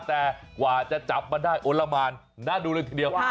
แต่กว่าจะจับมันได้โอละมานน่าดูเลยทีเดียว